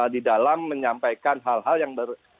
di dalam menyampaikan hal hal yang